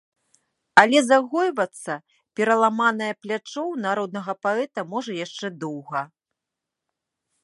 Але загойвацца пераламанае плячо ў народнага паэта можа яшчэ доўга.